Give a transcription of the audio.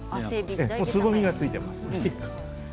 つぼみがついています。